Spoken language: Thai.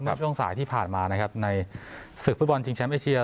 เมื่อช่วงสายที่ผ่านมานะครับในศึกฟุตบอลชิงแชมป์เอเชีย